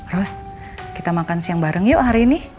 terus kita makan siang bareng yuk hari ini